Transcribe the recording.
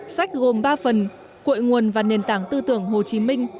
sách gồm ba phần cội nguồn và nền tảng tư tưởng hồ chí minh